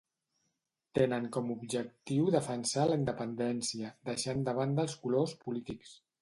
Tenen com objectiu defensar la independència, deixant de banda els colors polítics